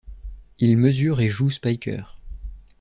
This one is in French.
Il mesure et joue Spiker.